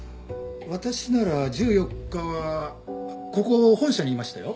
私なら１４日はここ本社にいましたよ。